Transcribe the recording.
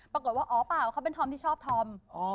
ปะกิดว่าเป็นทอมที่ชอบพวก